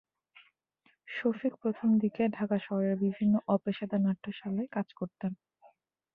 শফিক প্রথমদিকে ঢাকা শহরের বিভিন্ন অপেশাদার নাট্যশালায় কাজ করতেন।